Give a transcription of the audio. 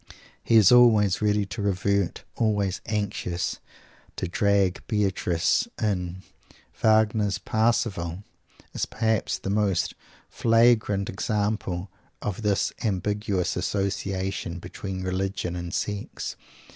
He is always ready to revert, always anxious to "drag Beatrice in." Wagner's "Parsifal" is perhaps the most flagrant example of this ambiguous association between religion and sex.